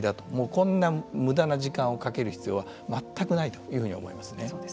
こんな無駄な時間をかける必要は全くないというふうに思いますね。